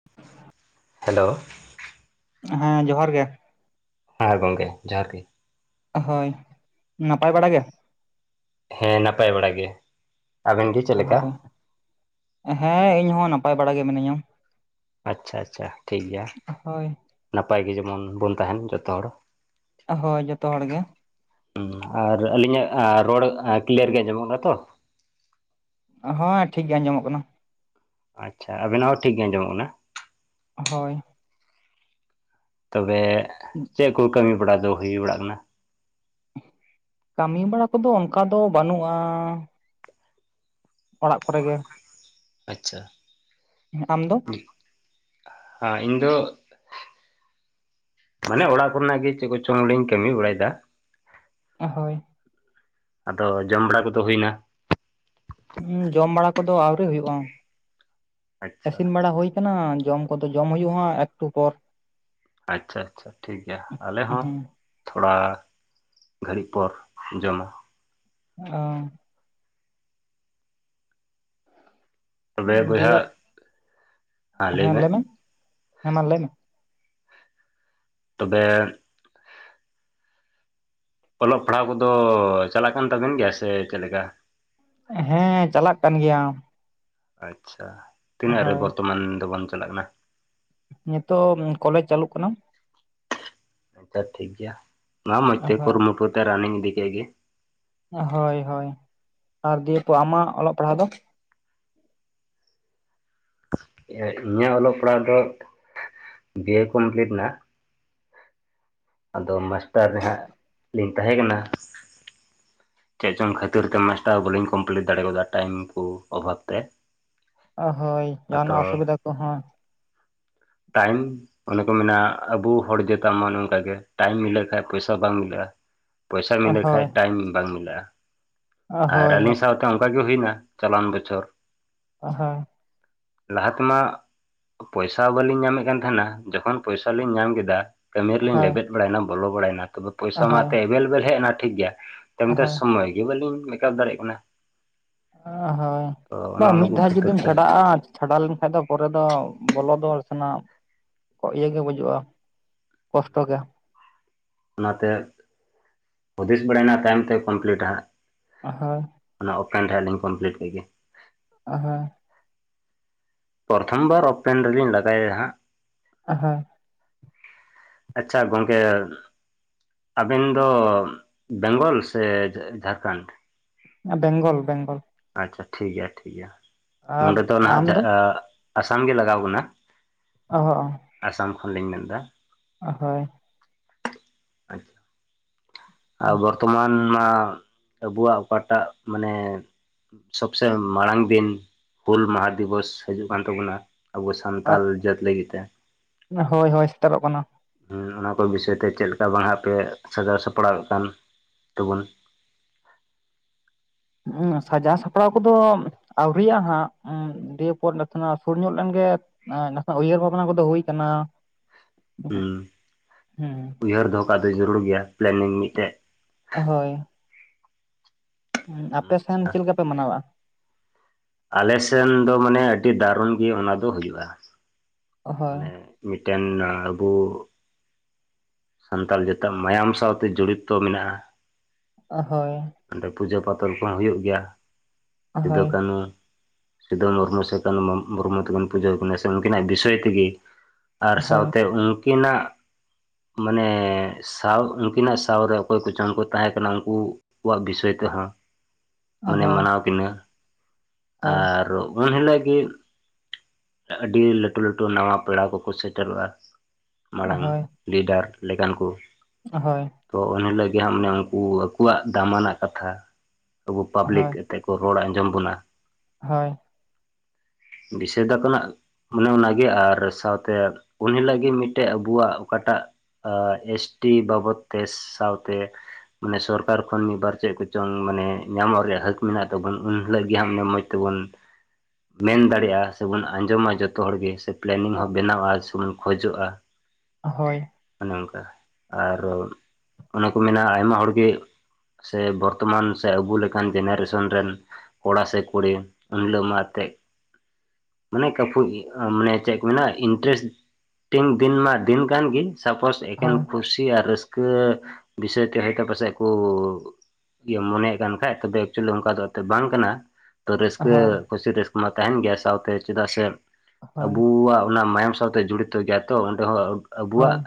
[inaudible] [inaudible] Hello? ᱦᱮᱸ ᱡᱚᱦᱟᱨ ᱜᱮ᱾ ᱦᱚᱭ ᱜᱚᱝᱠᱮ ᱡᱚᱦᱟᱨ ᱜᱮ ᱾ ᱦᱳᱭ ᱱᱟᱯᱟᱭ ᱵᱟᱲᱟ ᱜᱮ? ᱦᱮᱸ ᱱᱟᱯᱟᱭ ᱵᱟᱲᱟ ᱜᱮ᱾ ᱟᱵᱮᱱ ᱜᱮ ᱪᱮᱫ ᱞᱮᱠᱟ ᱦᱳᱭ, ᱦᱮᱸ ᱤᱧ ᱦᱚᱸ ᱱᱟᱯᱟᱭ ᱵᱟᱲᱟ ᱜᱮ ᱢᱤᱱᱤᱹᱧᱟ ᱾ ᱟᱪᱷᱟ-ᱟᱪᱷᱟ ᱴᱷᱤᱠ ᱜᱮᱭᱟ, ᱱᱟᱯᱟᱭ ᱜᱮ ᱡᱮᱢᱚᱱ ᱵᱚᱱ ᱛᱟᱦᱮᱱ ᱡᱚᱛᱚ ᱦᱚᱲᱼᱼ ᱦᱳᱭ ᱡᱚᱛᱚ ᱦᱚᱲ ᱜᱮ᱾ ᱟᱨ ᱟᱹᱞᱤᱧᱟᱜ ᱨᱚᱲ ᱠᱤᱞᱭᱟ. ᱨ ᱜᱮ ᱟᱡᱟᱢᱚᱜ ᱠᱟᱱᱟ ᱛᱚ? ᱦᱳᱭ ᱴᱷᱤᱠ ᱜᱮ ᱟᱸᱡᱚᱢᱚᱜ ᱠᱟᱱᱟ ᱾ ᱟᱪᱷᱟ ᱟᱵᱮᱱᱟᱜ ᱦᱚᱸ ᱴᱷᱤᱠ ᱜᱮ ᱟᱸᱡᱚᱢᱚᱜ ᱠᱟᱱᱟ ᱾ ᱦᱳᱭ ᱾ ᱛᱚᱵᱮ ᱪᱮᱫ ᱠᱚ ᱠᱟᱹᱢᱤ ᱵᱟᱲᱟ ᱫᱚ ᱦᱩᱭ ᱵᱟᱲᱟᱜ ᱠᱟᱱᱟ? ᱠᱟᱹᱢᱤ ᱵᱟᱲᱟ ᱠᱚᱫᱚ ᱚᱱᱠᱟ ᱫᱚ ᱵᱟᱹᱱᱩᱜᱼᱟᱼᱼ ᱚᱲᱟᱜ ᱠᱚᱨᱮᱜ ᱜᱮ᱾ ᱟᱪᱷᱟ ᱾ ᱟᱢ ᱫᱚ? ᱦᱮᱸ ᱤᱧ ᱫᱚᱼᱼ ᱢᱟᱱᱮ ᱚᱲᱟᱜ ᱠᱚᱨᱮᱱᱟᱜ ᱜᱮ ᱪᱮᱫ ᱠᱚᱪᱚᱝ ᱞᱤᱧ ᱠᱟᱹᱢᱤ ᱵᱟᱲᱟᱭᱮᱫᱟ᱾ ᱦᱳᱭ ᱾ ᱟᱫᱚ ᱡᱚᱢ ᱵᱟᱲᱟ ᱠᱚᱫᱚ ᱦᱩᱭᱮᱱᱟ? ᱦᱩᱸ ᱡᱚᱢ ᱵᱟᱲᱟ ᱠᱚᱫᱚ ᱟᱹᱣᱨᱤ ᱦᱩᱭᱩᱜᱼᱟ, ᱟᱪᱪᱷᱟ ᱤᱥᱤᱱ ᱵᱟᱲᱟ ᱦᱩᱭᱼᱼ ᱠᱟᱱᱟ ᱡᱚᱢ ᱠᱚᱫᱚ ᱡᱚᱢ ᱦᱩᱭᱩᱜᱼᱟ ᱟᱦᱟᱸᱜ ᱮᱠᱴᱩ ᱯᱚᱨᱼᱼ ᱟᱪᱷᱟ-ᱟᱪᱷᱟ ᱴᱷᱤᱠ ᱜᱮᱭᱟ ᱟᱞᱮ ᱦᱚᱸᱼᱼ ᱦᱩᱸ ᱛᱷᱚᱲᱟ ᱜᱷᱟᱹᱲᱤᱡ ᱯᱚᱨ ᱡᱚᱢᱟ ᱾ ᱦᱳᱭ᱾ ᱛᱚᱵᱮ ᱫᱮ ᱵᱚᱭᱦᱟ ᱞᱟᱹᱭ ᱦᱮᱸ ᱢᱮ ᱞᱟᱹᱭᱢᱮ, ᱦᱮᱸ ᱢᱟ ᱞᱟᱹᱭ ᱢᱮ? ᱛᱚᱵᱮᱼᱼ ᱚᱞᱚᱜ ᱯᱟᱲᱦᱟᱣ ᱠᱚᱫᱚ ᱪᱟᱞᱟᱜ ᱠᱟᱱ ᱛᱟᱵᱮᱱ ᱜᱮᱭᱟ ᱥᱮ ᱪᱮᱫ ᱞᱮᱠᱟ? ᱦᱮᱸ ᱪᱟᱞᱟᱜ ᱠᱟᱱ ᱜᱮᱭᱟ᱾ ᱟᱪᱷᱟ ᱛᱤᱱᱟᱹᱜ ᱨᱮ ᱦᱳᱭ ᱵᱚᱨᱛᱚᱢᱟᱱ ᱫᱚᱵᱚᱱ ᱪᱟᱞᱟᱜ ᱠᱟᱱᱟ? ᱱᱤᱛᱚᱜ ᱠᱚᱞᱮᱡ ᱪᱟ. ᱞᱩᱜ ᱠᱟᱱᱟ ᱾ ᱟᱪᱷᱟ ᱴᱷᱤᱠ ᱜᱮᱭᱟ, ᱢᱟ ᱢᱚᱸᱡᱽ ᱛᱮ ᱠᱩᱨᱩᱢᱩᱴᱩ ᱛᱮ ᱨᱟᱱᱤᱝ ᱤᱫᱤ ᱠᱮᱫ ᱜᱮᱼᱼ ᱦᱳᱭ-ᱦᱳᱭ, ᱟᱨ ᱫᱤᱭᱮᱯ ᱟᱢᱟᱜ ᱚᱞᱚᱜ ᱯᱟᱲᱦᱟᱜ ᱫᱚ ᱤᱧᱟᱹᱜ ᱚᱞᱚᱜ ᱯᱟᱲᱦᱟᱜ ᱫᱚ ᱵᱤᱭᱮ ᱠᱚᱢᱯᱞᱤᱴ ᱮᱱᱟ ᱟᱫᱚ ᱢᱟᱥᱴᱟᱨ ᱨᱮᱦᱟᱸᱜ ᱞᱤᱧ ᱛᱟᱦᱮᱸ ᱠᱟᱱᱟ᱾ ᱪᱮᱫ ᱪᱚᱝ ᱠᱷᱟᱹᱛᱤᱨ ᱛᱮ ᱢᱟᱥᱴᱟᱨ ᱵᱟᱹᱞᱤᱧ ᱠᱚᱢᱯᱤᱞᱤᱴ ᱫᱟᱲᱮ ᱟᱫᱟ ᱴᱟᱭᱤᱢ ᱠᱩ ᱚᱵᱷᱟᱵᱽ ᱛᱮ ᱚ ᱦᱳᱭ ᱟᱫᱚ ᱡᱟᱦᱟᱱᱟᱜ ᱚᱥᱩᱵᱤᱫᱟ ᱠᱚᱦᱚᱸ ᱴᱟᱭᱤᱢ ᱚᱱᱮ ᱠᱚ ᱢᱮᱱᱟ ᱟᱵᱚ ᱦᱚᱲ ᱡᱮᱛᱟᱱ ᱢᱟ ᱱᱚᱝᱠᱟᱜᱮ ᱴᱟᱭᱤᱢ ᱢᱤᱞᱟᱹᱜ ᱠᱷᱟᱱ ᱯᱚᱭᱥᱟ ᱵᱟᱝ ᱢᱤᱞᱟᱹᱜᱼᱟ ᱯᱚᱭᱥᱟ ᱢᱤᱞᱟᱹᱜ ᱠᱷᱟᱡ ᱦᱳᱭ ᱴᱟᱭᱤᱢ ᱵᱟᱝ ᱢᱤᱞᱟᱹᱜᱼᱟ ᱟᱨ ᱦᱳᱭ ᱦᱳᱭ ᱟᱹᱞᱤᱧ ᱥᱟᱶ ᱚᱱᱠᱟᱜ ᱜᱮ ᱦᱩᱭᱱᱟ ᱪᱟᱞᱟᱣᱟᱱ ᱵᱚᱪᱷᱚᱨ ᱟᱼᱦᱟᱸ ᱞᱟᱦᱟ ᱛᱮᱢᱟᱜ ᱯᱚᱭᱥᱟ ᱵᱟᱞᱤᱧ ᱧᱟᱢᱮᱫ ᱠᱟᱱ ᱛᱟᱦᱮᱱᱟ ᱡᱚᱠᱷᱚᱱ ᱯᱚᱭᱥᱟ ᱞᱤᱧ ᱧᱟᱢ ᱠᱮᱫᱟ ᱠᱟᱹᱢᱤ ᱨᱮᱞᱤᱧ ᱦᱳᱭ ᱞᱮᱵᱮᱫ ᱵᱟᱲᱟᱭᱱᱟ ᱵᱚᱞᱚ ᱵᱟᱲᱟᱭᱱᱟ ᱛᱚᱵᱮ ᱯᱚᱭᱥᱟ ᱢᱟ ᱦᱳᱭ ᱛᱮ ᱮᱵᱮᱞᱼᱮᱵᱮᱞ ᱦᱮᱡ ᱮᱱᱟ ᱴᱷᱤᱠ ᱜᱮᱭᱟ ᱛᱤᱱᱴᱟ ᱥᱚᱢᱚᱭ ᱜᱮ ᱵᱟᱹᱞᱤᱧ ᱢᱮᱠᱟᱯ ᱫᱟᱲᱮᱭᱟᱜ ᱠᱟᱱᱟ᱾ ᱚ ᱦᱳᱭ ᱛᱚ ᱚᱱᱮ ᱵᱟᱝ ᱚᱱᱟ ᱢᱤᱫ ᱠᱚ ᱫᱷᱟᱣ ᱠᱷᱟᱹᱛᱤᱨ ᱡᱩᱫᱤᱢ ᱛᱮ ᱪᱷᱟᱰᱟᱜ ᱟ ᱪᱷᱟᱰᱟ ᱞᱮᱱᱠᱷᱟᱡ ᱫᱚ ᱯᱚᱨᱮ ᱫᱚ ᱵᱚᱞᱚ ᱫᱚ ᱥᱮᱱᱟᱜ ᱤᱭᱟᱹ ᱜᱮ ᱵᱩᱡᱩᱜᱼᱟ ᱠᱚᱥᱴᱚ ᱜᱮ ᱚᱱᱟᱛᱮ ᱦᱩᱫᱤᱥ ᱵᱟᱲᱟᱭᱮᱱᱟ ᱛᱟᱭᱚᱢᱛᱮ ᱠᱚᱢᱯᱤᱞᱤᱴᱟ ᱟ ᱦᱳᱭ ᱚᱱᱟ ᱳᱯᱮᱱ ᱴᱟᱜ ᱞᱤᱧ ᱠᱚᱢᱯᱤᱞᱤᱴ ᱠᱮᱫ ᱜᱮ ᱟ ᱦᱟᱸ ᱯᱨᱚᱛᱷᱚᱢ ᱵᱟᱨ ᱚᱯᱮᱱ ᱨᱮᱞᱤᱧ ᱞᱟᱜᱟᱭ ᱭᱟ ᱦᱟᱸᱜ ᱟ ᱦᱟᱸ ᱟᱪᱪᱷᱟ ᱜᱚᱝᱠᱮ ᱟᱵᱮᱱ ᱫᱚ ᱵᱮᱝᱜᱚᱞ ᱥᱮ ᱡᱷᱟᱲᱠᱷᱟᱹᱱᱰ? ᱵᱮᱝᱜᱚᱞ ᱵᱮᱝᱜᱚᱞ ᱟᱪᱪᱷᱟ ᱴᱷᱤᱠᱜᱮᱭᱟ ᱴᱷᱤᱠᱜᱮᱭᱟ ᱟᱨ ᱱᱚᱸᱰᱮ ᱫᱚ ᱟᱢ ᱱᱟᱦᱟᱜ ᱟᱥᱟᱢ ᱜᱮ ᱞᱟᱜᱟᱣ ᱠᱟᱱᱟ ᱚᱸ ᱚᱸ ᱟᱥᱟᱢ ᱠᱷᱚᱱᱞᱤᱧ ᱢᱮᱱ ᱫᱟ ᱟ ᱦᱳᱭ ᱟᱪᱪᱷᱟ ᱟᱵ ᱛᱚᱢᱟᱨᱱᱟ ᱟᱵᱚᱣᱟᱜ ᱚᱠᱟᱴᱟᱜ ᱢᱟᱱᱮᱻ ᱥᱚᱵᱥᱮ ᱢᱟᱲᱟᱝ ᱫᱤᱱ ᱦᱩᱞ ᱢᱟᱦᱟ ᱫᱤᱵᱚᱥ ᱦᱤᱡᱩᱜ ᱠᱟᱱ ᱛᱟᱵᱩᱱᱟ ᱟᱵᱚ ᱥᱟᱱᱛᱟᱞ ᱡᱟᱹᱛ ᱞᱟᱹᱜᱤᱫ ᱛᱮ ᱦᱳᱭ ᱦᱳᱭ ᱥᱮᱴᱮᱨᱚᱜ ᱠᱟᱱᱟ ᱦᱩᱸ ᱚᱱᱟ ᱠᱚ ᱵᱤᱥᱚᱭ ᱛᱮ ᱪᱮᱫ ᱞᱮᱠᱟ ᱵᱟᱝ ᱦᱟᱜ ᱟᱯᱮ ᱥᱟᱡᱟᱣ ᱥᱟᱯᱲᱟᱣ ᱠᱟᱱ ᱛᱟᱵᱚᱱ ᱦᱩᱸ ᱥᱟᱡᱟᱣ ᱥᱟᱯᱲᱟᱣ ᱠᱚᱫᱚ ᱟᱹᱣᱨᱤᱭᱟᱜ ᱦᱟᱸᱜ ᱫᱤᱭᱯᱚᱨ ᱱᱟᱥᱮᱱᱟᱜ ᱥᱩᱨ ᱧᱚᱜ ᱞᱮᱱᱜᱮ ᱱᱟᱦᱟᱜ ᱩᱭᱦᱟᱹᱨ ᱵᱷᱟᱵᱽᱱᱟ ᱠᱚᱫᱚ ᱦᱩᱭ ᱠᱟᱱᱟ᱾ ᱦᱩᱸ ᱦᱩᱸ ᱩᱭᱦᱟᱹᱨ ᱫᱚᱦᱚ ᱠᱟᱜ ᱫᱚ ᱡᱟᱹᱨᱩᱲ ᱜᱮᱭᱟ ᱯᱞᱮᱱᱤᱝ ᱢᱤᱜᱴᱮᱜ ᱚᱦᱳᱭ ᱟᱪᱪᱷᱟ ᱟᱯᱮᱥᱮᱱ ᱪᱮᱫ ᱞᱮᱠᱟ ᱯᱮ ᱢᱟᱱᱟᱣᱟ? ᱟᱞᱮ ᱥᱮᱱ ᱫᱚ ᱢᱟᱱᱮ ᱟᱹᱰᱤ ᱰᱟᱨᱩᱱ ᱜᱮ ᱚᱱᱟ ᱫᱚ ᱦᱩᱭᱩᱜᱼᱟ ᱦᱳᱭ ᱢᱟᱱᱮ ᱢᱤᱜᱴᱮᱱ ᱟᱵᱩ ᱥᱟᱱᱛᱟᱞ ᱡᱟᱹᱛᱟᱜ ᱢᱟᱭᱟᱢ ᱥᱟᱶᱛᱮ ᱡᱚᱲᱤᱛᱛᱚ ᱢᱮᱱᱟᱜᱼᱟ᱾ ᱚᱦᱳᱭ ᱚᱸᱰᱮ ᱯᱩᱡᱟᱹ ᱯᱟᱛᱚᱞ ᱠᱚᱦᱚᱸ ᱦᱩᱭᱩᱜ ᱜᱮᱭᱟ ᱥᱤᱫᱷᱩ ᱦᱳᱭ ᱠᱟᱱᱩ ᱥᱤᱫᱩ ᱢᱩᱨᱢᱩ ᱥᱮ ᱠᱟᱹᱱᱩ ᱢᱩᱨᱢᱩ ᱛᱟᱹᱠᱤᱱ ᱯᱩᱡᱟᱹ ᱣᱟᱠᱤᱱᱟ ᱥᱮ ᱩᱱᱠᱤᱱᱟᱜ ᱵᱤᱥᱚᱭ ᱛᱤᱜᱤ ᱾ ᱟᱨ ᱦᱳᱭ ᱥᱟᱶᱛᱮ ᱩᱱᱠᱤᱱᱟᱜ ᱢᱟᱱᱮ ᱥᱟᱶ ᱩᱱᱠᱤᱱᱟᱜ ᱥᱟᱶᱨᱮ ᱚᱠᱚᱭ ᱠᱚᱪᱚᱝᱠᱚ ᱛᱟᱦᱮᱸ ᱠᱟᱱᱟ ᱩᱱᱠᱩ ᱠᱚᱣᱟᱜ ᱵᱤᱥᱚᱭ ᱛᱮᱦᱚᱸ ᱢᱟᱱᱮ ᱦᱳᱭ ᱢᱟᱱᱟᱣ ᱠᱤᱱᱟᱹ ᱦᱳᱭ ᱟᱨ ᱩᱱ ᱦᱤᱞᱳᱜ ᱜᱮ ᱟᱰᱤ ᱞᱟᱴᱩ ᱞᱟᱴᱩ ᱱᱟᱣᱟ ᱯᱮᱲᱟ ᱠᱚᱠᱚ ᱥᱮᱴᱮᱨᱚᱜᱼᱟ᱾ ᱢᱟᱲᱟᱝ ᱦᱳᱭ ᱦᱳᱭ ᱞᱤᱰᱟᱨ ᱞᱮᱠᱟᱱ ᱠᱩ ᱦᱳᱭ᱾ ᱛᱚ ᱩᱱᱤᱞᱟᱹᱜᱤᱜ ᱦᱟᱸᱜ ᱢᱟᱱᱮ ᱩᱱᱠᱩ ᱟᱠᱩᱣᱟᱜ ᱫᱟᱢᱟᱱᱟᱜ ᱠᱟᱛᱷᱟ ᱟᱵᱩ ᱯᱟᱵᱽᱞᱤᱠ ᱦᱳᱭ ᱦᱳᱭ ᱛᱮᱠᱚ ᱨᱚᱲ ᱟᱸᱡᱚᱢ ᱵᱚᱱᱟ ᱦᱳᱭ᱾ ᱵᱤᱥᱚᱭ ᱫᱚ ᱟᱵᱱᱟᱜ ᱾ ᱚᱱᱮ ᱚᱱᱟᱜᱮ ᱟᱨ ᱥᱟᱶᱛᱮ ᱩᱱ ᱦᱤᱞᱳᱜ ᱜᱮ ᱢᱤᱫᱴᱮᱜ ᱟᱵᱚᱣᱟᱜ ᱚᱠᱟᱴᱟᱜ ᱮᱥ ᱴᱤ ᱵᱟᱵᱚᱛ ᱛᱮ ᱥᱟᱶᱛᱮ ᱢᱟᱱᱮ ᱥᱚᱨᱠᱟᱨ ᱠᱷᱚᱱ ᱢᱤᱫ ᱵᱟᱨ ᱪᱮᱫ ᱠᱚᱪᱚᱝ ᱢᱟᱱᱮ ᱧᱟᱢᱚᱜ ᱨᱮᱭᱟᱜ ᱦᱟ. ᱠ ᱢᱮᱱᱟᱜ ᱛᱟᱵᱚᱱ ᱩᱱ ᱦᱤᱞᱳᱜ ᱜᱮ ᱦᱟᱸᱜ ᱢᱟᱱᱮ ᱢᱚᱡᱽ ᱛᱮᱵᱚᱱ ᱢᱮᱱ ᱫᱟᱲᱮᱜᱼᱟ ᱥᱮᱵᱚᱱ ᱟᱸᱡᱚᱢᱟ ᱡᱚᱛᱚ ᱦᱚᱲᱜᱮ ᱥᱮ ᱯᱞᱮᱱᱤᱝ ᱦᱚᱸ ᱵᱮᱱᱟᱣᱼᱟ ᱥᱮᱵᱚᱱ ᱠᱷᱚᱡᱚᱜᱼᱟ, ᱦᱳᱭ᱾ ᱚᱱᱮ ᱚᱝᱠᱟ ᱟᱨ ᱚᱱᱮᱠᱚ ᱢᱮᱱᱟ ᱟᱭᱢᱟ ᱦᱚᱲ ᱜᱮ ᱥᱮ ᱵᱚᱨᱛᱚᱢᱟᱱ ᱥᱮ ᱟᱵᱚ ᱞᱮᱠᱟᱱ ᱡᱮᱱᱟᱨᱮᱥᱚᱱ ᱨᱮᱱ ᱠᱚᱲᱟ ᱥᱮ ᱠᱩᱲᱤ ᱩᱱ ᱦᱤᱞᱳᱜ ᱢᱟᱛᱮ ᱢᱟᱱᱮ ᱠᱟᱯᱷᱩ ᱤ ᱢᱟᱱᱮ ᱪᱮᱫ ᱠᱚ ᱢᱮᱱᱟ ᱤᱱᱴᱮᱨᱮᱥ ᱛᱤᱱ ᱫᱤᱱ ᱢᱟ ᱫᱤᱱ ᱠᱟᱱ ᱜᱤ ᱥᱟᱯᱳᱪ ᱮᱠᱮᱱ ᱠᱷᱩᱥ ᱠᱩᱥᱤ ᱟᱨ ᱨᱟᱹᱥᱠᱟᱹ ᱵᱤᱥᱚᱭ ᱛᱮ ᱦᱳᱭᱛᱚ ᱯᱟᱥᱮᱡ ᱠᱩ ᱤᱧᱟᱹᱢ ᱢᱚᱱᱮᱫ ᱠᱟᱱ ᱠᱷᱟᱡ ᱛᱚᱵᱮ ᱮᱠᱪᱩᱭᱮᱞᱤ ᱚᱱᱠᱟ ᱫᱚ ᱮᱛᱚ ᱵᱟᱝ ᱠᱟᱱᱟ ᱾ ᱛᱚ ᱨᱟᱹᱥᱠᱟᱹ ᱦᱳᱭ ᱠᱩᱥᱤ ᱨᱟᱹᱥᱠᱟᱹ ᱢᱟ ᱛᱟᱸᱦᱮᱱ ᱜᱮᱭᱟ ᱥᱟᱶᱛᱮ ᱪᱮᱫᱟᱜ ᱥᱮ ᱦᱳᱭ ᱟᱵᱩᱣᱟᱜ ᱚᱱᱟ ᱢᱟᱭᱟᱢ ᱥᱟᱶᱛᱮ ᱡᱚᱲᱤᱛᱚ ᱡᱟᱛᱚ ᱚᱸᱰᱮ ᱦᱚᱸ ᱟᱵᱩᱣᱟᱜ ᱦᱳᱭ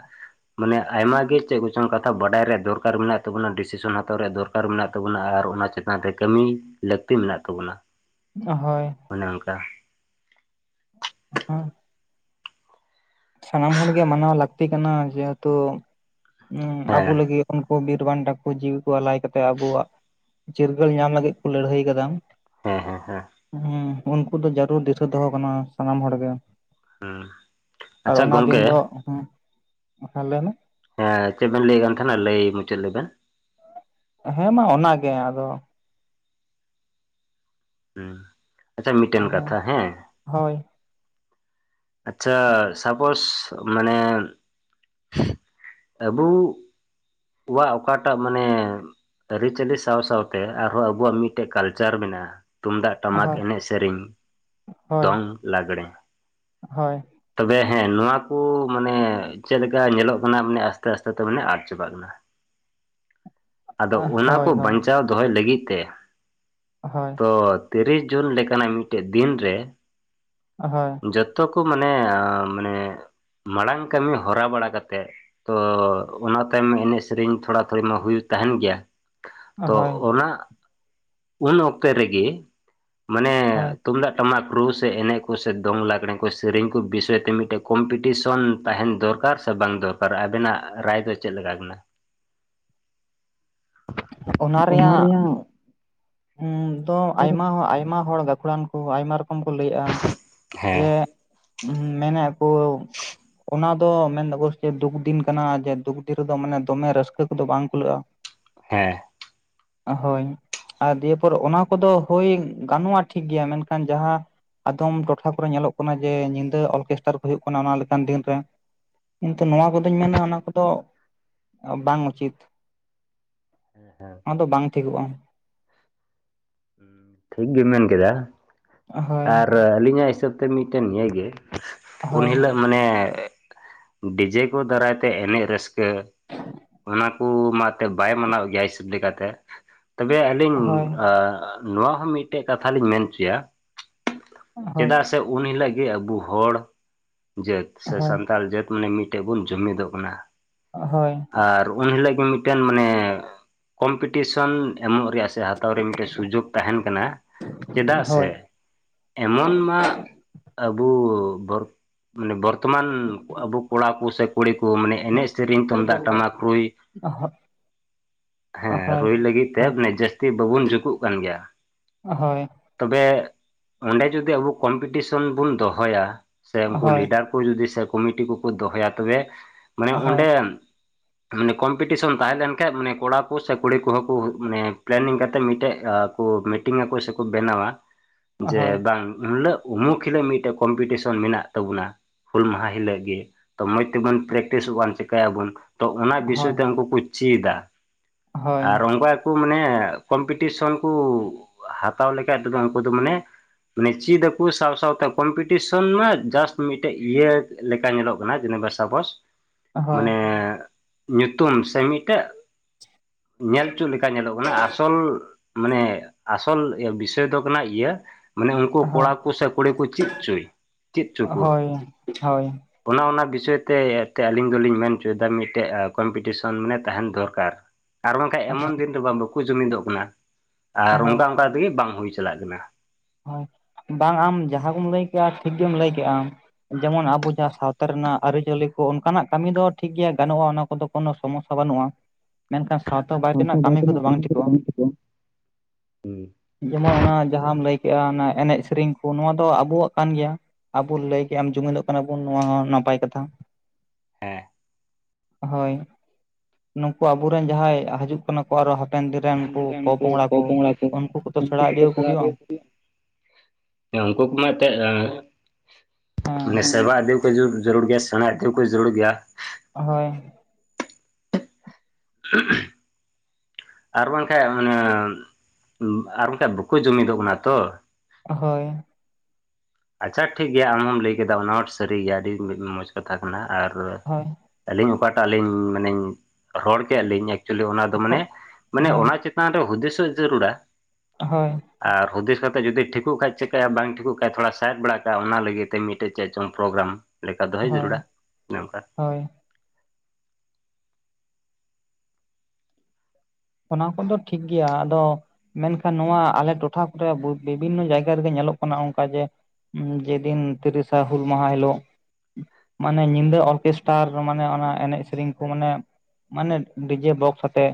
ᱢᱟᱱᱮ ᱟᱭᱢᱟ ᱜᱮ ᱪᱮᱜ ᱠᱚᱪᱚᱝ ᱠᱟᱛᱷᱟ ᱵᱟᱰᱟᱭ ᱨᱮᱭᱟᱜ ᱫᱚᱨᱠᱟᱨ ᱢᱮᱱᱟᱜ ᱛᱟᱵᱚᱱᱟ ᱰᱤᱥᱤᱥᱚᱱ ᱦᱟᱛᱟᱣ ᱨᱮᱭᱟᱜ ᱫᱚᱨᱠᱟᱨ ᱢᱮᱱᱟᱜ ᱛᱟᱵᱚᱱᱟ ᱟᱨ ᱚᱱᱟ ᱪᱮ ᱚᱱᱟᱛᱮ ᱠᱟᱹᱢᱤ ᱞᱟᱹᱠᱛᱤ ᱢᱮᱱᱟᱜ ᱛᱟᱵᱚᱱᱟ᱾ ᱦᱳᱭ᱾ ᱚᱱᱮ ᱚᱱᱠᱟ᱾ ᱦᱮᱸ, ᱥᱟᱱᱟᱢ ᱦᱚᱲ ᱜᱮ ᱢᱟᱱᱟᱣ ᱞᱟᱠᱛᱤ ᱠᱟᱱᱟ ᱡᱮᱦᱮᱛᱩ ᱟᱵᱚ ᱦᱮᱸ ᱞᱟᱜᱤᱫ ᱩᱱᱠᱩ ᱵᱤᱨ ᱵᱟᱱᱴᱟ ᱠᱩ ᱡᱤᱣᱤ ᱠᱚ ᱟᱞᱟᱭ ᱠᱟᱛᱮ ᱟᱵᱚᱣᱟᱜ ᱪᱤᱨᱜᱟᱹᱞ ᱧᱟᱢ ᱞᱟᱜᱤᱫ ᱠᱚ ᱞᱟᱹᱲᱦᱟᱹᱭ ᱠᱟᱫᱟ, ᱦᱮᱸ ᱦᱮᱸ ᱦᱮᱸ᱾ ᱦᱩᱸ ᱩᱱᱠᱩ ᱫᱚ ᱡᱟᱨᱩᱲ ᱫᱤᱥᱟᱹ ᱫᱚᱦᱚ ᱠᱟᱱᱟ ᱥᱟᱱᱟᱢ ᱦᱚᱲ ᱜᱮ᱾ ᱦᱩᱸ᱾ ᱟᱨ ᱟᱪᱪᱷᱟ ᱚᱱᱟ ᱫᱤᱱ ᱜᱚᱝᱠᱮ ᱫᱚ, ᱦᱮᱸ ᱞᱟᱹᱭᱢᱮ᱾ ᱦᱮᱸ ᱪᱮᱫ ᱵᱮᱱ ᱞᱟᱹᱭᱮᱫ ᱠᱟᱱ ᱛᱟᱦᱮᱱᱟ ᱞᱟᱹᱭ ᱢᱩᱪᱟᱹᱫ ᱞᱮᱵᱮᱱ᱾ ᱦᱮᱸ ᱢᱟ ᱚᱱᱟᱜᱮ ᱟᱫᱚ᱾ ᱦᱩᱸ ᱟᱪᱪᱷᱟ ᱢᱤᱫᱴᱮᱱ ᱦᱳᱭ ᱠᱟᱛᱷᱟ ᱦᱮᱸ, ᱦᱳᱭ᱾ ᱟᱪᱪᱷᱟ ᱥᱟᱯᱳᱥ ᱢᱟᱱᱮ ᱟᱹᱵᱩ ᱠᱚᱣᱟᱜ ᱚᱠᱟᱴᱟᱜ ᱢᱟᱱᱮ ᱟᱹᱨᱤᱪᱟᱹᱞᱤ ᱥᱟᱶ ᱥᱟᱶᱛᱮ ᱟᱨᱦᱚᱸ ᱟᱵᱚᱣᱟᱜ ᱢᱤᱫᱴᱮᱡ ᱠᱟᱞᱪᱟᱨ ᱢᱮᱱᱟᱜᱼᱟ᱾ ᱛᱩᱢᱫᱟᱜ, ᱴᱟᱢᱟᱠ ᱦᱳᱭ ᱮᱱᱮᱡ ᱥᱮᱨᱮᱧ ᱦᱳᱭ ᱫᱚᱝ, ᱞᱟᱜᱽᱲᱮ, ᱦᱳᱭ᱾ ᱛᱚᱵᱮ ᱦᱮᱸ ᱱᱚᱣᱟ ᱠᱚ ᱢᱟᱱᱮ ᱪᱮᱫ ᱞᱮᱠᱟ ᱧᱮᱞᱚᱜ ᱠᱟᱱᱟ ᱢᱟᱱᱮ ᱟᱥᱛᱮ ᱟᱥᱛᱮ ᱛᱮ ᱢᱟᱱᱮ ᱟᱫ ᱪᱟᱵᱟᱜ ᱠᱟᱱᱟ᱾ ᱟᱫᱚ ᱚᱱᱟ ᱦᱳᱭ ᱠᱚ ᱦᱳᱭ ᱵᱟᱧᱪᱟᱣ ᱫᱚᱦᱚᱭ ᱞᱟᱹᱜᱤᱫ ᱛᱮ, ᱦᱳᱭ᱾ ᱛᱚ ᱛᱤᱨᱤᱥ ᱡᱩᱱ ᱞᱮᱠᱟᱱᱟᱜ ᱢᱤᱫᱴᱮᱱ ᱫᱤᱱ ᱨᱮ ᱦᱳᱭ᱾ ᱡᱚᱛᱚ ᱠᱚ ᱢᱟᱱᱮ ᱢᱟᱱᱮ ᱢᱟᱲᱟᱝ ᱠᱟᱹᱢᱤ ᱦᱚᱨᱟ ᱵᱟᱲᱟ ᱠᱟᱛᱮᱜ ᱛᱚ ᱚᱱᱟ ᱛᱟᱭᱚᱢ ᱮᱱᱮᱡ ᱥᱮ ᱥᱮᱨᱮᱧ ᱛᱷᱚᱲᱟ ᱛᱷᱚᱲᱤ ᱢᱟ ᱦᱩᱭᱩᱜ ᱛᱟᱦᱮᱱ ᱜᱮᱭᱟ, ᱛᱚ ᱦᱳᱭ ᱚᱱᱟ ᱩᱱ ᱚᱠᱛᱮ ᱨᱮᱜᱮ ᱢᱟᱱᱮ ᱦᱳᱭ ᱛᱩᱢᱫᱟᱜ ᱴᱟᱢᱟᱠ ᱨᱩ ᱥᱮ ᱮᱱᱮᱡ ᱠᱚ ᱥᱮ ᱫᱚᱝ ᱞᱟᱜᱽᱲᱮ ᱠᱚ ᱥᱮᱨᱮᱧ ᱠᱚ ᱵᱤᱥᱚᱭ ᱛᱮ ᱢᱤᱫᱴᱮᱱ ᱠᱚᱢᱯᱤᱴᱤᱥᱚᱱ ᱛᱟᱦᱮᱱ ᱫᱚᱨᱠᱟᱨ ᱥᱮ ᱵᱟᱝ ᱫᱚᱨᱠᱟᱨ ᱟᱵᱤᱱᱟᱜ ᱨᱟᱭ ᱫᱚ ᱪᱮᱫ ᱞᱮᱠᱟ ᱠᱟᱱᱟ? ᱚᱱᱟ ᱨᱮᱭᱟᱜ ᱫᱚ ᱟᱭᱢᱟ ᱟᱭᱢᱟ ᱦᱚᱲ ᱜᱟᱹᱠᱷᱩᱲᱟᱱ ᱠᱚ ᱟᱭᱢᱟ ᱨᱚᱠᱚᱢ ᱠᱚ ᱞᱟᱹᱭᱮᱜᱼᱟ ᱡᱮ ᱦᱮᱸ ᱢᱮᱱᱮᱫ ᱠᱚ ᱚᱱᱟ ᱫᱚ ᱢᱮᱱ ᱫᱟᱠᱚ ᱡᱮ ᱫᱩᱠ ᱫᱤᱱ ᱠᱟᱱᱟ ᱡᱮ ᱫᱩᱠ ᱫᱤᱱ ᱨᱮᱫᱚ ᱢᱟᱱᱮ ᱫᱚᱢᱮ ᱨᱟᱹᱥᱠᱟᱹ ᱠᱚᱫᱚ ᱵᱟᱝ ᱠᱩᱞᱟᱹᱜᱼᱟ᱾ ᱦᱮᱸ᱾ ᱦᱳᱭ ᱟᱨ ᱫᱤᱭᱮ ᱯᱚᱨ ᱚᱱᱟ ᱠᱚᱫᱚ ᱦᱳᱭ, ᱜᱟᱱᱚᱜᱼᱟ, ᱴᱷᱤᱠᱜᱮᱭᱟ ᱢᱮᱱᱠᱷᱟᱱ ᱡᱟᱦᱟ ᱟᱫᱚᱢ ᱴᱚᱴᱷᱟ ᱠᱚᱨᱮ ᱧᱮᱞᱚᱜ ᱠᱟᱱᱟ ᱡᱮ, ᱧᱤᱫᱟᱹ ᱚᱨᱠᱮᱥᱴᱟᱨ ᱠᱚ ᱦᱩᱭᱩᱜ ᱠᱟᱱᱟ, ᱚᱱᱟ ᱞᱮᱠᱟᱱ ᱫᱤᱱ ᱨᱮ᱾ ᱠᱤᱱᱛᱩ ᱱᱚᱣᱟ ᱠᱚᱫᱚᱹᱧ ᱢᱮᱱᱟ, ᱚᱱᱟ ᱠᱚᱫᱚ ᱵᱟᱝ ᱩᱪᱤᱛ᱾ ᱦᱮᱸ ᱟ ᱫᱚ ᱵᱟᱝ ᱴᱷᱤᱠᱚᱜᱼᱟ! ᱴᱷᱤᱠ ᱜᱮᱢ ᱢᱮᱱ ᱠᱮᱫᱟ ᱦᱳᱭ ᱟᱨ ᱟᱹᱞᱤᱧᱟᱜ ᱦᱤᱥᱟᱹᱵ- -ᱛᱮ ᱢᱤᱫᱴᱮᱱ ᱱᱤᱭᱟᱹ ᱜᱮ, ᱩᱱ ᱦᱳᱭ ᱦᱤᱞᱟᱹᱜ- -ᱢᱟᱱᱮ ᱰᱤᱡᱮ ᱠᱚ ᱫᱟᱨᱟᱭ ᱛᱮ ᱮᱱᱮᱡ ᱨᱟᱹᱥᱠᱟᱹ, ᱚᱱᱟ ᱠᱩ ᱢᱟ ᱛᱮ ᱵᱟᱭ ᱢᱟᱱᱟᱣ ᱜᱮᱭᱟ ᱥᱟᱹᱵ ᱞᱮᱠᱟᱛᱮ, ᱛᱚᱵᱮ ᱟᱹᱞᱤᱧ ᱦᱳᱭ ᱟ ᱱᱚᱣᱟ ᱦᱚᱸ ᱢᱤᱫᱴᱮᱡ ᱠᱟᱛᱷᱟ ᱞᱤᱧ ᱢᱮᱱ ᱪᱚᱭᱟ ᱦᱳᱭ ᱪᱮᱫᱟᱜ ᱥᱮ ᱩᱱᱤ ᱞᱟᱹᱜᱤᱜ ᱟᱵᱚ ᱦᱚᱲ ᱡᱟᱹᱛ ᱥᱮ ᱦᱳᱭ ᱦᱳᱭ ᱥᱟᱱᱛᱟᱞ ᱡᱟᱹᱛ ᱢᱟᱱᱮ ᱢᱤᱫᱴᱮ ᱵᱚᱱ ᱡᱩᱢᱤᱫᱚᱜ ᱠᱟᱱᱟ᱾ ᱳ ᱦᱳᱭ, ᱟᱨ ᱩᱱ ᱦᱤᱞᱳᱜ ᱜᱮ ᱢᱤᱫᱴᱮᱱ ᱢᱟᱱᱮ ᱠᱚᱢᱯᱤᱴᱤᱥᱚᱱ ᱮᱢᱚᱜ ᱨᱮᱭᱟᱜ ᱥᱮ ᱟ- -ᱦᱟᱛᱟᱣ ᱨᱮ ᱢᱤᱫᱴᱮᱱ ᱥᱩᱡᱳᱜᱽ ᱛᱟᱦᱮᱱ ᱠᱟᱱᱟ, ᱪᱮᱫᱟᱜ ᱦᱳᱭ ᱥᱮ- -ᱮᱢᱚᱱ ᱢᱟ ᱟᱵᱩ ᱵᱚᱨ ᱢᱟᱱᱮ ᱵᱚᱨᱛᱚᱢᱟᱱ ᱟᱵᱩ ᱠᱚᱲᱟ ᱠᱚ ᱥᱮ ᱠᱩᱲᱤ ᱠᱚ ᱢᱟᱱᱮ ᱮᱱᱮᱡ-ᱥᱮᱨᱮᱧ, ᱛᱩᱱᱫᱟᱜ-ᱴᱟᱢᱟᱠ ᱨᱩᱭ ᱚᱦᱚᱜ, ᱦᱮᱸ, ᱨᱩᱭ ᱞᱟᱹᱜᱤᱫ ᱛᱮ ᱡᱟᱹᱥᱛᱤ ᱵᱟᱵᱩᱱ ᱡᱩᱠᱩᱜ ᱠᱟᱱ ᱜᱮᱭᱟ, ᱦᱳᱭ᱾ ᱛᱚᱵᱮ ᱚᱸᱰᱮ ᱡᱩᱫᱤ ᱟᱵᱩ ᱠᱚᱢᱯᱤᱴᱤᱥᱚᱱ ᱵᱚᱱ ᱫᱚᱦᱚᱭᱟ ᱥᱮ ᱩᱱᱠᱩ ᱦᱳᱭ ᱦᱳᱭ ᱞᱤᱰᱟ [unintelligible] ᱡᱩᱫᱤ ᱥᱮ ᱠᱚᱢᱤᱴᱤ ᱠᱚᱠᱚ ᱫᱚᱦᱚᱭᱟ ᱛᱚᱵᱮ ᱢᱟᱱᱮ ᱚᱸᱰᱮᱻ- -ᱢᱟᱱᱮ ᱠᱚᱢᱯᱤᱴᱤᱥᱚᱱ ᱛᱟᱦᱮᱸ ᱞᱮᱱᱠᱷᱟᱡ ᱢᱟᱱᱮ ᱠᱚᱲᱟ ᱠᱳ ᱥᱮ ᱠᱩᱲᱤ ᱠᱳᱦᱳᱸ ᱠᱳ ᱢᱟᱱᱮ ᱯᱞᱮᱱᱤᱝ ᱠᱟᱛᱮ ᱢᱤᱫᱴᱮᱡ ᱡᱷᱟ ᱠᱳ ᱢᱤᱴᱤᱝ ᱟᱠᱚ ᱥᱮᱠᱚ ᱵᱮᱱᱟᱣᱟ ᱡᱮ ᱵᱟᱝ ᱩᱱ ᱞᱳᱜ ᱩᱢᱩ ᱠᱷᱤᱞᱳᱜ ᱢᱤᱫᱴᱮᱱ ᱠᱚᱢᱯᱤᱴᱤᱥᱚᱱ ᱢᱮᱱᱟᱜ ᱛᱟᱵᱚᱱᱟ᱾ ᱦᱩᱞ ᱢᱟᱦᱟ ᱦᱤᱞᱟᱹᱜ ᱜᱮ ᱛᱚ ᱢᱚᱡ ᱛᱮᱵᱚᱱ ᱯᱨᱮᱠᱴᱤᱥᱚᱣᱟᱱ ᱪᱤᱠᱟᱭᱟᱵᱚᱱ? ᱛᱚ ᱚᱱᱟ ᱵᱤᱥᱚᱭ ᱦᱳᱭ ᱛᱮ ᱩᱱᱠᱩ ᱠᱚ ᱪᱮᱫᱼᱟ ᱟᱨ ᱚᱱᱠᱟ ᱠᱩ ᱢᱟᱱᱮ ᱠᱚᱢᱯᱤ- -ᱯᱤᱴᱤᱥᱚᱱ ᱠᱩ ᱦᱟᱛᱟᱣ ᱞᱮᱠᱷᱟᱡ ᱛᱩᱫᱩ ᱩᱱᱠᱩ ᱫᱩ ᱢᱟᱱᱮ ᱢᱟᱱᱮ, ᱪᱤᱫᱟᱠᱩ ᱥᱟᱶ ᱥᱟᱶᱛᱮ ᱠᱚᱢᱯᱤᱴᱤᱥᱚᱱ ᱢᱟ ᱡᱟᱥᱴ ᱢᱤᱫᱴᱮᱡ ᱤᱭᱟᱹ [unintelligible] ᱞᱮᱠᱟ ᱧᱮᱞᱚᱜ ᱠᱟᱱᱟ ᱡᱮᱱᱮ ᱵᱚᱥᱟᱵᱟᱥ [unintelligible] [inaudible] ᱢᱟᱱᱮ, ᱧᱩᱛᱩᱢ ᱥᱮ ᱢᱤᱫᱴᱟᱜ ᱧᱮᱞ ᱪᱚᱜ ᱞᱮᱠᱟ ᱧᱮᱞᱚᱜ ᱠᱟᱱᱟ ᱟᱥᱚᱞ ᱢᱟᱱᱮ, ᱟᱥᱚᱞ ᱮ ᱵᱤᱥᱚᱭ ᱫᱚ ᱠᱟᱱᱟ ᱤᱭᱟᱹ ᱢᱟᱱᱮ, ᱩᱱᱠᱩ ᱠᱚᱲᱟ ᱠᱩ ᱥᱮ ᱠᱩᱲᱤ ᱠᱩ ᱪᱮᱫ ᱪᱩᱭ ᱪᱮᱫ ᱪᱳᱠᱳ᱾ ᱦᱳᱭ ᱚᱱᱟ ᱚᱱᱟ ᱵᱤᱥᱚᱭ ᱛᱮ ᱛᱮ ᱟᱹᱞᱤᱧ ᱫᱚᱞᱤᱧ ᱢᱮᱱ ᱪᱚᱭ ᱫᱟ, ᱢᱤᱫᱴᱮᱡ ᱠᱚᱢᱯᱤᱴᱤᱥᱚᱱ ᱢᱟᱱᱮ ᱛᱟᱦᱮᱱ ᱫᱚᱨᱠᱟᱨ᱾ ᱟᱨ ᱵᱟᱝᱠᱷᱟᱡ [unintelligible] ᱮᱢᱚᱱ ᱫᱤᱱ ᱵᱟᱝ ᱵᱟᱠᱚ ᱡᱩᱢᱤᱫᱚᱜ ᱠᱟᱱᱟ ᱟᱨ ᱦᱳᱭ ᱚᱱᱠᱟ ᱚᱱᱠᱟ ᱛᱮᱜᱮ ᱵᱟᱝ ᱦᱩᱭ ᱪᱟᱞᱟᱜ ᱠᱟᱱᱟ, ᱦᱳᱭ, ᱵᱟᱝ ᱟᱢ ᱡᱟᱦᱟᱸ ᱠᱚᱢ ᱞᱟᱹᱭ ᱠᱮᱫᱼᱟ ᱴᱷᱤᱠ ᱜᱮᱢ ᱞᱟᱹᱭ ᱠᱮᱜᱼᱟᱢ᱾ ᱡᱮᱢᱚᱱ ᱟᱵᱚ ᱡᱟ ᱥᱟᱣᱛᱟ ᱨᱮᱱᱟᱜ ᱟᱹᱨᱤ-ᱪᱟᱞᱞᱤ ᱠᱚ ᱚᱱᱠᱟᱱᱟᱜ ᱠᱟᱹᱢᱤ ᱫᱚ ᱴᱷᱤᱠᱜᱮᱭᱟ ᱜᱟᱱᱚᱜᱼᱟ, ᱚᱱᱟ ᱠᱚᱫᱚ ᱠᱳᱱᱳ ᱥᱚᱢᱚᱥᱥᱟ ᱵᱟᱹᱱᱩᱜᱼᱟ, ᱢᱮᱱᱠᱷᱟᱱ, ᱥᱟᱣᱛᱟ ᱵᱟᱭ ᱛᱮᱱᱟᱜ ᱠᱟᱹᱢᱤ ᱠᱚᱫᱚ ᱵᱟᱝ ᱴᱷᱤᱠᱚᱜᱼᱟ, ᱡᱮᱢᱚᱱ - ᱚᱱᱟ ᱡᱟᱦᱟᱸᱢ ᱞᱟᱹᱭ ᱠᱮᱜᱼᱟ, ᱚᱱᱟ ᱮᱱᱮᱡ ᱥᱮᱨᱮᱧ ᱠᱚ ᱱᱚᱣᱟ ᱫᱚ ᱟᱵᱚᱣᱟᱜ ᱠᱟᱱ ᱜᱮᱭᱟ᱾ ᱟᱵᱚ ᱞᱟᱹᱭ ᱠᱮᱜ ᱟᱢ ᱡᱩᱢᱤᱫᱚᱜ ᱠᱟᱱᱟ ᱵᱚᱱ, ᱱᱚᱣᱟ ᱦᱚᱸ ᱱᱟᱯᱟᱭ ᱠᱟᱛᱷᱟ᱾ ᱮᱸ, ᱦᱳᱭ, ᱱᱩᱠᱩ ᱟᱵᱚᱨᱮᱱ ᱡᱟᱦᱟᱸᱭ ᱦᱟᱡᱩᱜ- -ᱠᱟᱱᱟ ᱠᱚ ᱟᱨᱚ ᱦᱟᱯᱮᱱ ᱫᱤᱱ ᱨᱮᱱ ᱩᱱᱠᱩ ᱯᱚᱼᱯᱚᱝᱲᱟ ᱠᱚ, ᱩᱱᱠᱩ ᱠᱚᱛᱚ ᱥᱮᱬᱟ ᱤᱫᱤᱭᱟᱠᱚ ᱦᱩᱭᱩᱜᱼᱟ᱾ [inaudible] [unintelligible] ᱩᱱᱠᱩ ᱠᱚᱢᱟ ᱮᱛᱮᱫ ᱦᱮᱸ ᱢᱟᱱᱮ [unintelligible] ᱥᱮᱵᱟ ᱤᱫᱤᱣ [unintelligible] [unintelligible] ᱡᱟᱹᱨᱩᱲ ᱜᱮᱭᱟ ᱥᱮᱬᱟ ᱤᱫᱤ ᱠᱚᱦᱚᱸ [unintelligible] ᱡᱟᱹᱨᱩᱲ ᱜᱮᱭᱟ, ᱦᱳᱭ᱾ [unintelligible] ᱟᱨ ᱵᱟᱝᱠᱷᱟᱡ ᱚᱱᱮ ᱟᱨ ᱵᱟᱝᱠᱷᱟᱡ ᱵᱟᱠᱚ ᱡᱩᱢᱤᱫᱚᱜ ᱠᱟᱱᱟ ᱛᱚ ᱾ ᱦᱳᱭ ᱾ ᱟᱪᱪᱷᱟ ᱴᱷᱤᱠ ᱜᱮᱭᱟ ᱟᱢ ᱦᱚᱢ ᱞᱟᱹᱭ ᱠᱮᱫᱟ ᱚᱱᱟ ᱦᱚᱲ ᱥᱟᱹᱨᱤ ᱜᱮᱭᱟ ᱟᱹᱰᱤ ᱢᱚᱡᱽ ᱠᱟᱛᱷᱟ ᱠᱟᱱᱟ ᱟᱨ ᱦᱳᱭ ᱾ ᱟᱹᱞᱤᱧ ᱚᱠᱟᱴᱟᱜ ᱞᱤᱧ ᱢᱟᱱᱮᱧ ᱨᱚᱲ ᱠᱮᱫ-ᱟ ᱞᱤᱧ ᱮᱠᱪᱩᱭᱮᱞᱤ ᱚᱱᱟ ᱫᱚ ᱦᱳᱭ ᱢᱟᱱᱮ ᱢᱟᱱᱮ ᱦᱳᱭ ᱚᱱᱟ ᱪᱮ ᱛᱟᱱ ᱨᱮ ᱦᱩᱫᱮᱥᱚᱜ ᱡᱟᱹᱨᱩᱲᱟ ᱾ ᱦᱳᱭ ᱾ ᱟᱨ ᱦᱩᱫᱤᱥ ᱠᱟᱛᱮ ᱡᱩᱫᱤ ᱴᱷᱤᱠᱩᱜ ᱠᱷᱟᱡ ᱪᱮᱠᱟᱹᱭᱟ ᱵᱟᱝ ᱴᱷᱤᱠᱩᱜ ᱠᱷᱟᱡ ᱛᱷᱚᱲᱟ ᱥᱟ ᱥᱟᱦᱮᱫ ᱵᱟᱲᱟ ᱠᱟᱜᱼᱟ ᱚᱱᱟ ᱞᱟᱹᱜᱤᱫ ᱛᱮ ᱢᱤᱫᱴᱮᱡ ᱪᱮᱫ ᱪᱚᱝ ᱯᱨᱳᱜᱽᱨᱟᱢ ᱞᱮᱠᱟ ᱫᱚᱦᱚᱭ ᱦᱳᱭ ᱡᱟᱹᱨᱩᱲᱟ ᱚᱱᱮ ᱚᱱᱠᱟ ᱾ ᱦᱳᱭ ᱾ ᱚᱱᱟ ᱠᱚᱫᱚ ᱴᱷᱤᱠ ᱜᱮᱭᱟ ᱟᱫᱚ, ᱢᱮᱱᱠᱷᱟᱱ ᱱᱚᱣᱟ ᱟᱞᱮ ᱴᱚᱴᱷᱟ ᱠᱚᱨᱮ ᱵᱤᱵᱷᱤᱱᱱᱚ ᱡᱟᱭᱜᱟ ᱨᱮᱜᱮ ᱧᱮᱞᱚᱜ ᱠᱟᱱᱟ ᱚᱱᱠᱟ ᱡᱮ ᱡᱮᱫᱤᱱ ᱛᱤᱨᱤᱥᱟ ᱦᱩᱞ ᱢᱟᱦᱟ ᱦᱤᱞᱳᱜ, ᱢᱟᱱᱮ ᱧᱤᱫᱟᱹ ᱚᱨᱠᱮᱥᱴᱟᱨ ᱢᱟᱱᱮ ᱚᱱᱟ ᱮᱱᱮᱡ ᱥᱮᱨᱮᱧ ᱠᱚ ᱢᱟᱱᱮ, ᱢᱟᱱᱮ ᱰᱤᱡᱮ ᱵᱚᱠᱥ ᱟᱛᱮ,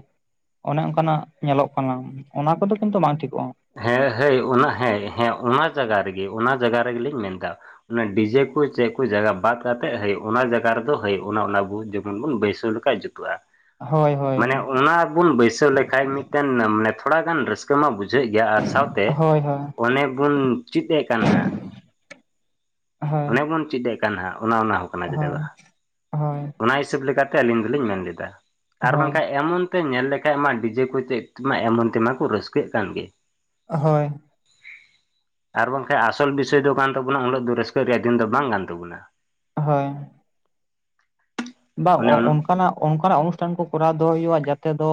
ᱚᱱᱮ ᱚᱱᱠᱟᱱᱟᱜ ᱧᱮᱞᱚᱜ ᱠᱟᱱᱟ ᱚᱱᱟ ᱠᱚᱫᱚ ᱠᱤᱱᱛᱩ ᱵᱟᱝ ᱴᱷᱤᱠᱚᱜᱼᱟ ᱾ ᱦᱮᱸᱦᱮᱸ ᱚᱱᱟ ᱦᱮᱸᱭ ᱚᱱᱟ ᱡᱟᱜᱟ ᱨᱮᱜᱮ ᱚᱱᱟ ᱡᱟᱜᱟ ᱨᱮᱜᱮᱞᱤᱧ ᱢᱮᱱᱫᱟ ᱾ ᱚᱱᱟ ᱰᱤᱡᱮ ᱠᱚ ᱪᱮᱫ ᱠᱚ ᱡᱟᱜᱟ ᱵᱟᱫ ᱠᱟᱛᱮ ᱦᱟᱹᱭ ᱚᱱᱟ ᱡᱟᱜᱟ ᱨᱮᱫᱚ ᱦᱟᱹᱭ ᱚᱱᱟ ᱚᱱᱟ ᱵᱩ ᱡᱮᱠᱢᱚᱱ ᱵᱚᱱ ᱵᱟᱹᱭᱥᱟᱹᱣ ᱞᱮᱠᱷᱟᱱ, ᱵᱟᱭ ᱡᱩᱛᱩᱜᱼᱟ ᱦᱳᱭ ᱾ ᱦᱳᱭ ᱢᱟᱱᱮ ᱚᱱᱟ ᱜᱮᱵᱚᱱ ᱵᱟᱹᱭᱥᱟᱹᱣ ᱞᱮᱠᱷᱟᱡ ᱢᱤᱫᱴᱮᱱ ᱢᱟᱱᱮ ᱛᱷᱚᱲᱟᱜᱟᱱ ᱨᱟᱹᱥᱠᱟᱹ ᱢᱟ ᱵᱩ ᱵᱩᱡᱷᱟᱹᱜ ᱜᱮᱭᱟ ᱟᱨ ᱥᱟᱶᱛᱮ ᱦᱳᱭ ᱦᱳᱭ ᱚᱱᱮ ᱵᱚᱱ ᱪᱤᱫ ᱮ ᱠᱟᱱ ᱦᱟᱸᱜ, ᱦᱳᱭ ᱚᱱᱮ ᱵᱚᱱ ᱪᱤᱫ ᱮ ᱠᱟᱱ ᱦᱟᱸᱜ ᱚᱱᱟ ᱚᱱᱟ ᱦᱚᱸ᱾ ᱠᱟᱱᱟ ᱪᱮᱫᱟᱜ ᱦᱳᱭ ᱵᱟᱝ ᱦᱳᱭ ᱾ ᱚᱱᱟ ᱦᱤᱥᱟᱹᱵ ᱞᱮᱠᱟᱛᱮ ᱟᱹᱞᱤᱧ ᱫᱚᱞᱤᱧ ᱢᱮᱱ ᱞᱮᱫᱟ ᱟᱨ ᱦᱳᱭ ᱵᱟᱝᱠᱷᱟᱱ ᱮᱢᱚᱱ ᱛᱮ ᱧᱮᱞ ᱞᱮᱠᱷᱟᱡ ᱢᱟ ᱰᱤᱡᱮ ᱠᱚ ᱪᱮᱫ ᱛᱮᱢᱟ ᱮᱢᱚᱱ ᱛᱮᱢᱟ ᱠᱚ ᱨᱟᱹᱥᱠᱟᱹᱜ ᱠᱟᱱ ᱜᱮ᱾ ᱦᱳᱭ ᱾ ᱟᱨ ᱵᱟᱝᱠᱷᱟᱡ ᱟᱥᱚᱞ ᱵᱤᱥᱚᱭ ᱫᱚ ᱠᱟᱱ ᱛᱟᱵᱚᱱᱟ ᱩᱱᱟᱹᱜ ᱫᱚ ᱨᱟᱹᱥᱠᱟᱹ ᱨᱮᱭᱟᱜ ᱫᱤᱱ ᱫᱚ ᱵᱟᱝ ᱠᱟᱱ ᱛᱟᱵᱩᱱᱟ ᱾ ᱦᱳᱭ ᱾ ᱵᱟᱝ ᱚᱱᱮ ᱩᱱᱟᱹᱜ ᱚᱱᱠᱟᱱᱟᱜ ᱚᱱᱠᱟᱱᱟᱜ ᱚᱱᱩᱥᱴᱷᱟᱱ ᱠᱚ ᱠᱚᱨᱟᱣ ᱫᱚᱦᱚ ᱦᱩᱭᱩᱜᱼᱟ ᱡᱟᱛᱮ ᱫᱚ,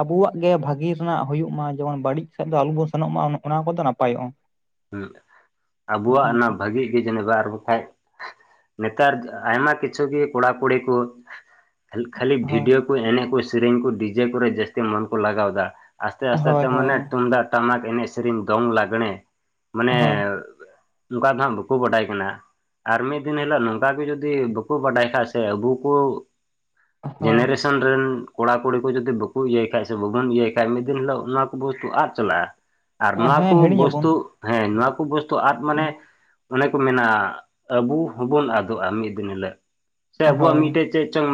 ᱟᱵᱚᱣᱟᱜ ᱜᱮ ᱵᱷᱟᱹᱜᱤ ᱨᱮᱱᱟᱜ ᱦᱩᱭᱩᱜ ᱢᱟ ᱡᱮᱢᱚᱱ ᱵᱟᱹᱲᱤᱡ ᱥᱮᱫ ᱫᱚ ᱟᱞᱚᱵᱚᱱ ᱥᱮᱱᱚᱜ ᱢᱟ ᱚᱱᱟ ᱚᱱᱟ ᱠᱚᱫᱚ ᱱᱟᱯᱟᱭᱚᱜᱼᱟ ᱾ ᱦᱢ [unintelligible] ᱟᱵᱚᱣᱟᱜ ᱚᱱᱟ ᱵᱷᱟᱹᱜᱤ ᱠᱤ ᱡᱟᱹᱱᱤ ᱵᱟᱨ ᱵᱟᱠᱷᱟᱡ ᱱᱮᱛᱟᱨ ᱟᱭᱢᱟ ᱠᱤᱪᱷᱩ ᱜᱮ ᱠᱚᱲᱟᱼ ᱠᱩᱲᱤ ᱠᱚ, ᱠᱷᱟᱹᱞᱤ ᱦᱳᱭ ᱵᱷᱤᱰᱤᱭᱳ ᱠᱚ ᱮᱱᱮᱜ ᱠᱚ ᱥᱮᱨᱮᱧ ᱠᱚ ᱰᱤᱡᱮ ᱠᱚᱨᱮ ᱡᱟᱹᱥᱛᱤ ᱢᱚᱱ ᱠᱚ ᱞᱟᱜᱟᱣᱫᱟ ᱾ ᱟᱥᱛᱮ ᱟᱥᱛᱮ ᱦᱳᱭ ᱛᱮ ᱢᱟᱱᱮ ᱦᱳᱭ ᱛᱩᱢᱫᱟᱜ ᱴᱟᱢᱟᱠ ᱮᱱᱮᱡ ᱥᱮᱨᱮᱧ ᱫᱚᱝ ᱞᱟᱜᱽᱬᱮ, ᱢᱟᱱᱮ ᱦᱳᱭ ᱚᱝᱠᱟ ᱫᱚ ᱦᱟᱸᱜ ᱵᱟᱠᱚ ᱵᱟᱰᱟᱭ ᱠᱟᱱᱟ ᱾ ᱟᱨ ᱢᱤᱫ ᱫᱤᱱ ᱦᱤᱞᱳᱜ ᱱᱚᱝᱠᱟ ᱜᱮ ᱡᱩᱫᱤ ᱵᱟᱠᱚ ᱵᱟᱰᱟᱭ ᱥᱮ ᱟᱵᱚ ᱠᱚ ᱦᱳᱭ ᱡᱮᱱᱮᱨᱮᱥ ᱥᱮᱱ ᱨᱮᱱ ᱠᱚᱲᱟ ᱠᱩᱲᱤ ᱠᱚ ᱡᱩᱫᱤ ᱵᱟᱠᱚ ᱤᱭᱟᱹᱭ ᱠᱷᱟᱡ ᱥᱮ ᱵᱟᱵᱚᱱ ᱤᱭᱟᱹᱭ ᱠᱷᱟᱡ ᱢᱤᱫ ᱫᱤᱱ ᱦᱤᱞᱳᱜ ᱚᱱᱟ ᱠᱚᱵᱚ ᱛᱩ ᱟᱫ ᱪᱟᱞᱟᱜᱼᱟ ᱾ ᱟᱨ ᱱᱚᱣᱟ ᱠᱚ ᱦᱮᱸ ᱦᱤᱲᱤᱧ ᱟᱵᱚᱱ ᱵᱚᱥᱛᱩ ᱦᱮᱸ ᱱᱚᱣᱟ ᱠᱚ ᱵᱚᱥᱛᱩ ᱟᱫ ᱢᱟᱱᱮ ᱚᱱᱮ ᱠᱚ ᱢᱮᱱᱟ ᱟᱵᱩ ᱦᱚᱸᱵᱚᱱ ᱟᱫᱚᱜᱼᱟ ᱢᱤᱫ ᱫᱤᱱ ᱦᱤᱞᱟᱹᱜ ᱥᱮ ᱟᱵᱚᱣᱟᱜ ᱦᱳᱭ ᱢᱤᱫᱴᱮᱡ ᱪᱮᱜ ᱪᱚᱝ